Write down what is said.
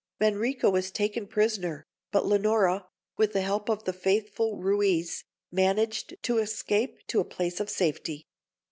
Manrico was taken prisoner, but Leonora, with the help of the faithful Ruiz, managed to escape to a place of safety.